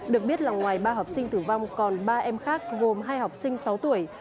được biết là ngoài ba học sinh tử vong còn ba em khác gồm hai học sinh sáu tuổi